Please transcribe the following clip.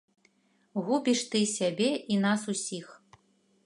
Губіш ты сябе і нас усіх.